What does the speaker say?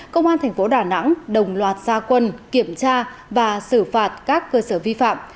công an tp đà nẵng đồng loạt ra quân kiểm tra và xử phạt các cơ sở vi phạm